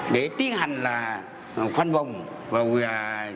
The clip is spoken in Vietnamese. để tiến hành khoanh vùng và tiến hành